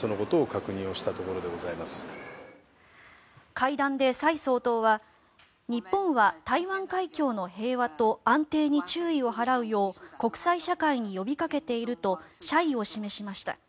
会談で蔡総統は日本は台湾海峡の平和と安定に注意を払うよう国際社会に呼びかけていると謝意を示しました。